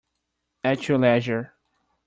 At your leisure.